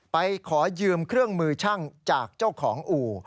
ไปขอยืมเครื่องมือช่างจากเจ้าของอู่